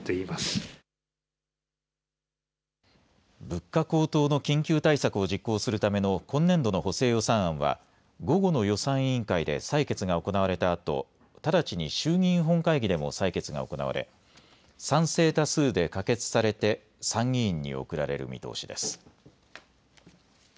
物価高騰の緊急対策を実行するための今年度の補正予算案は午後の予算委員会で採決が行われたあと直ちに衆議院本会議でも採決が行われ賛成多数で可決されて参議院に送られる見通しです。